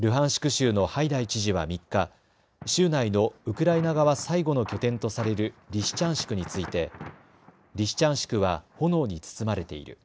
州のハイダイ知事は３日、州内のウクライナ側最後の拠点とされるリシチャンシクについて、リシチャンシクは炎に包まれている。